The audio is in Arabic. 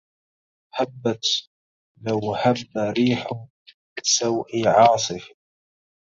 هبت لوهب ريح سوء عاصف